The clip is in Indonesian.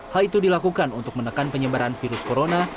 hal itu dilakukan untuk menekan penyebaran virus corona